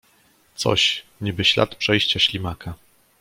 "Coś, niby ślad przejścia ślimaka."